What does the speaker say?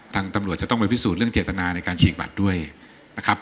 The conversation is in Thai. ตำรวจจะต้องไปพิสูจน์เรื่องเจตนาในการฉีกบัตรด้วยนะครับ